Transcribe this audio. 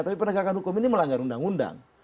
tapi penegakan hukum ini melanggar undang undang